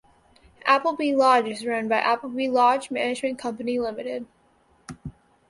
Appleby Lodge is run by Appleby Lodge Management Company Limited.